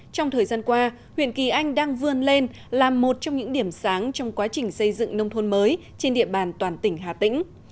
trong thời gian qua huyện kỳ anh đang vươn lên là một trong những điểm sáng trong quá trình xây dựng nông thôn mới trên địa bàn toàn tỉnh hà tĩnh